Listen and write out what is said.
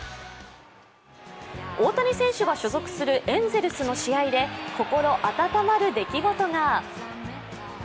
大谷選手が所属するエンゼルスの試合で心温まる出来事が。